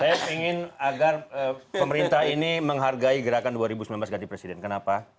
saya ingin agar pemerintah ini menghargai gerakan dua ribu sembilan belas ganti presiden kenapa